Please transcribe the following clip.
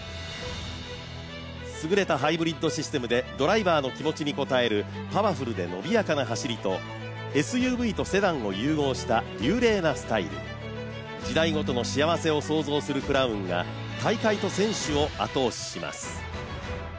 すぐれたハイブリッドシステムでドライバーの気持ちに応えるパワフルで伸びやかな走りとＳＵＶとセダンを融合した流麗なスタイル、時代ごとの幸せを想像するクラウンが大会と選手を後押しします。